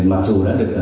mặc dù đã được